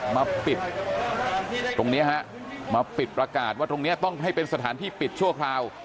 มาปิดตรงนี้ฮะมาปิดประกาศว่าตรงนี้ต้องให้เป็นสถานที่ปิดชั่วคราว